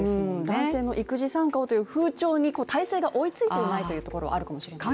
男性の育児参加をという風潮に体制が追いついていないというところがあるかもしれませんね。